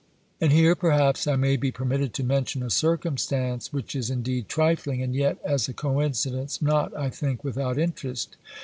And here, perhaps, I may be permitted to mention a circumstance, which is indeed trifling, and yet, as a coincidence, not, I think, without interest.